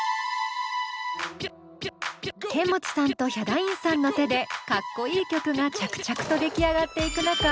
ケンモチさんとヒャダインさんの手でかっこいい曲が着々と出来上がっていく中